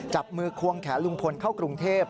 จับมือควงแขนลุงพลเข้ากรุงเทพ